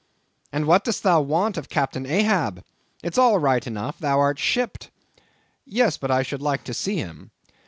"And what dost thou want of Captain Ahab? It's all right enough; thou art shipped." "Yes, but I should like to see him."